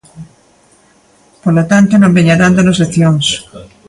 Polo tanto, non veña dándonos leccións.